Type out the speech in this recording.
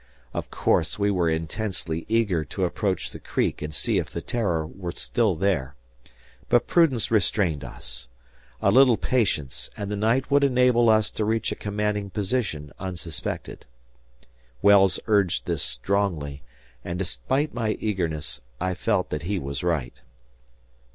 Of course, we were intensely eager to approach the Creek and see if the "Terror" was still there. But prudence restrained us. A little patience, and the night would enable us to reach a commanding position unsuspected. Wells urged this strongly; and despite my eagerness, I felt that he was right.